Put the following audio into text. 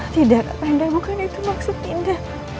tidak kakak dinda bukan itu maksud dinda